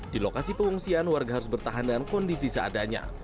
di lokasi pengungsian warga harus bertahan dengan kondisi seadanya